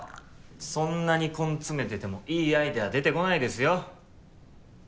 そんなに根詰めててもいいアイデア出てこないですよ